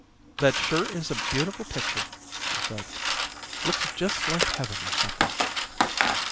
"That sure is a beautiful picture," she said. "Looks just like heaven or something."